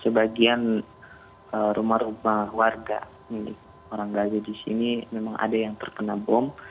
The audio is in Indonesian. sebagian rumah rumah warga milik orang gaji di sini memang ada yang terkena bom